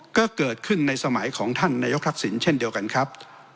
ก็เกิดขึ้นในสมัยของท่านนายกทักษิณเช่นเดียวกันครับ